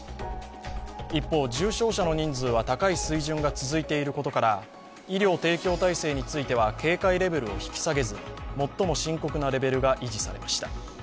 一方、重症者の人数は高い水準が続いていることから医療提供体制については、警戒レベルを引き下げず、最も深刻なレベルが維持されました。